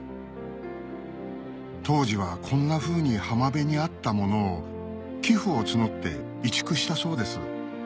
当時はこんなふうに浜辺にあったものを寄付を募って移築したそうです